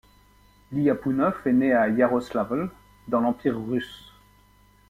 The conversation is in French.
Liapounov est né à Iaroslavl, dans l'Empire russe.